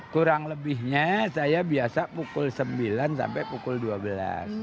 kurang lebihnya saya biasa pukul sembilan sampai pukul dua belas